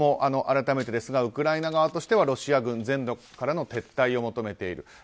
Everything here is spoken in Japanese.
あらためてですがウクライナ側としてはウクライナ全土からの撤退を求めている。